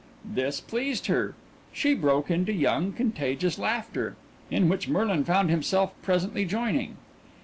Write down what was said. This pleased her she broke into young, contagious laughter, in which Merlin found himself presently joining.